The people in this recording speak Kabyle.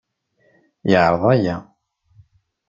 Yeɛreḍ aya.